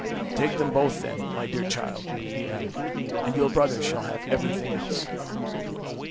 Take them both, then, my dear child," he added, "and your brother shall have everything else."